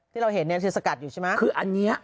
ที่เราเห็นคือสกัดอยู่ใช่ไหม